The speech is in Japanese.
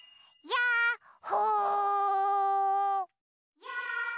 やっほ！